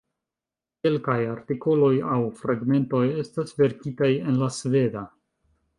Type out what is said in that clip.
Kelkaj artikoloj aŭ fragmentoj estas verkitaj en la Sveda.